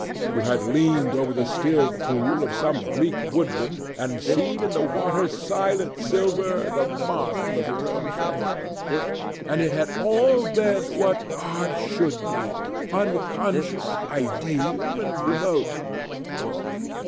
You had leaned over the still pool of some Greek woodland and seen in the water's silent silver the marvel of your own face. And it had all been what art should be—unconscious, ideal, and remote.